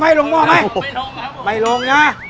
ไปลงม่อไหมไปลงนะ